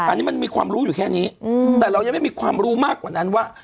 อันนี้มันมีความรู้อยู่แค่นี้แต่เรายังไม่มีความรู้มากกว่านั้นว่า